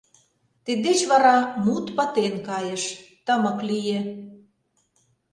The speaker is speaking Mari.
Тиддеч вара мут пытен кайыш, тымык лие.